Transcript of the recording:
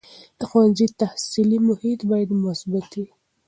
د ښوونځي تحصیلي محیط باید مثبت وي.